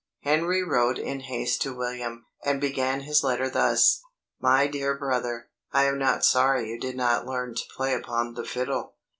Henry wrote in haste to William, and began his letter thus: "My dear brother, I am not sorry you did not learn to play upon the fiddle."